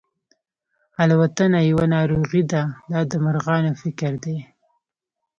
الوتنه یوه ناروغي ده دا د مرغانو فکر دی.